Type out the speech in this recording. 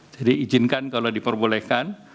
jadi izinkan kalau diperbolehkan